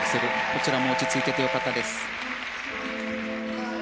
こちらも落ち着いていて良かったです。